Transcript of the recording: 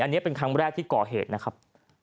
อันนี้เป็นครั้งแรกที่ก่อเหตุนะครับ